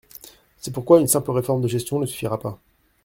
C’est pourquoi une simple réforme de gestion ne suffira pas.